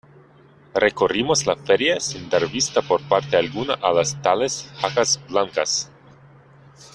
recorrimos la feria sin dar vista por parte alguna a las tales jacas blancas.